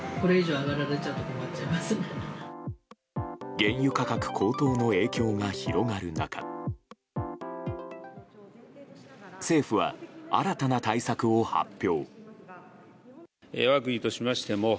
原油価格高騰の影響が広がる中政府は新たな対策を発表。